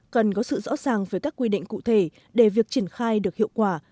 cần có sự rõ ràng về các quy định cụ thể để việc triển khai được hiệu quả